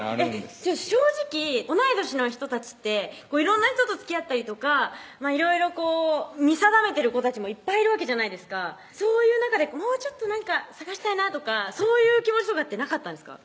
正直同い年の人たちって色んな人とつきあったりとかいろいろ見定めてる子たちもいっぱいいるわけじゃないですかそういう中でもうちょっと探したいなとかそういう気持ちとかってなかったんですか？